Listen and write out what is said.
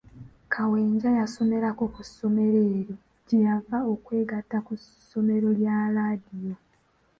Kawenja yasomerako ku ssomero eryo gye yava okwegatta ku ssomero laadiyo.